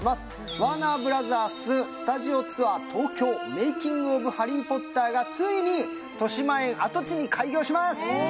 ワーナーブラザーススタジオツアー東京メイキング・オブ・ハリーポッターがついにとしまえん跡地に開業します